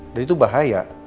dia tuh bahaya